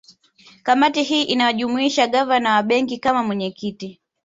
Kamati hii inawajumuisha Gavana wa Benki kama mwenyekiti